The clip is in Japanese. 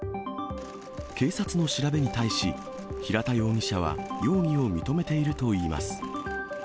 警察の調べに対し、平田容疑者は容疑を認めているといいます。